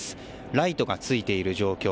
ライトがついている状況。